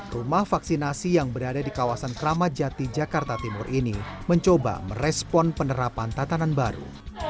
rumah vaksinasi yang berada di kawasan kramajati jakarta timur ini mencoba merespon penerapan tatanan baru